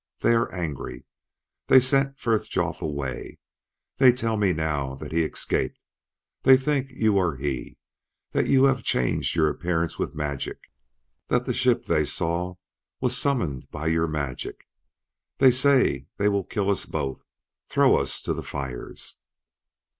They are angry. They sent Frithjof away; they tell me now that he escaped; they think you are he that you have changed your appearance with magic that the ship they saw was summoned by your magic. They say they will kill us both; throw us to the fires!"